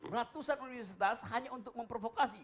ratusan universitas hanya untuk memprovokasi